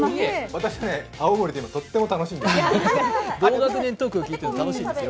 私ね、青森で今とっても楽しいんです。